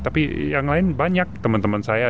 tapi yang lain banyak teman teman saya